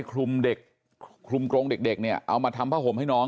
คลุมเด็กคลุมกรงเด็กเนี่ยเอามาทำผ้าห่มให้น้อง